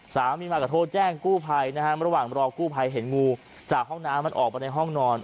สามีมากระโทษแจ้งกู้ไพรนะระหว่างมารอกู้ไพรเห็นงูที่จากห้องน้ำออกไปในห้องนอน